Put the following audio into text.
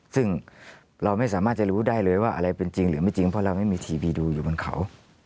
ซึ่งเราไม่สามารถจะรู้ได้เลยว่าอะไรเป็นจริงหรือไม่จริงเพราะเราไม่มีทีวีดูอยู่บนเขา